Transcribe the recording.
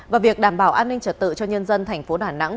và việc đảm bảo an ninh trật tự cho nhân dân thành phố đà nẵng